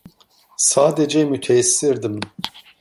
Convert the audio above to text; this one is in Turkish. Sadece müteessirdim.